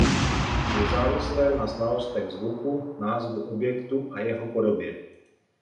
Je závislé na znalostech zvuku názvu objektu a jeho podobě.